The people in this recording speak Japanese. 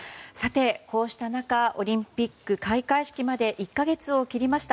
こうした中オリンピック開会式まで１か月を切りました。